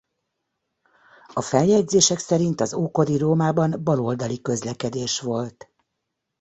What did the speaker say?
A feljegyzések szerint az ókori Rómában bal oldali közlekedés volt.